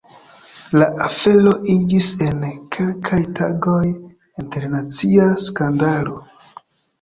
La afero iĝis en kelkaj tagoj internacia skandalo.